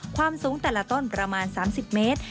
ความสูงแต่ละต้นประมาณ๓๐เมตร